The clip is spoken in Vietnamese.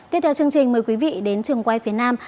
tiếp theo chương trình mời quý vị đến trường quay phía nam